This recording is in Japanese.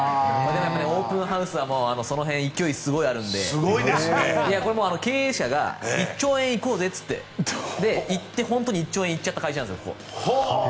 オープンハウスはその辺、勢いがすごくあるのでこれは経営者が１兆円行こうぜって言って言って、本当に１兆円行っちゃった会社なんです。